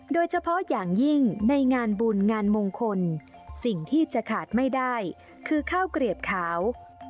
โดยเฉพาะอย่างยิ่งในงานบุญงานมงคลสิ่งที่จะขาดไม่ได้คือข้าวเกลียบขาว